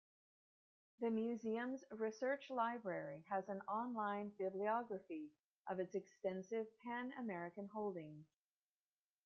The Museum's Research Library has an online bibliography of its extensive Pan-American holdings.